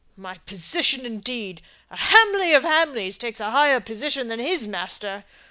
My position, indeed! A Hamley of Hamley takes a higher position than his master.